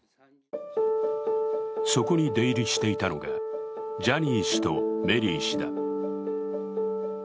そこに出入りしていたのがジャニー氏とメリー氏だ。